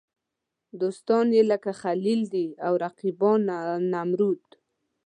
دوستان یې لکه خلیل دي او رقیبان نمرود.